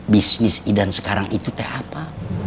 bisnis idan sekarang itu teh apa